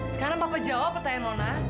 sekarang papa jawab pertanyaan mona